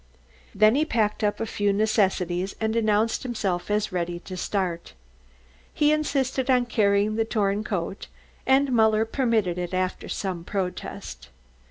Then he packed up a few necessities and announced himself as ready to start. He insisted on carrying the torn coat, and Muller permitted it after some protest.